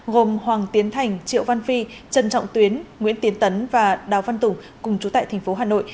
gồm hoàng tiến thành triệu văn phi trần trọng tuyến nguyễn tiến tấn và đào văn tùng cùng chú tại thành phố hà nội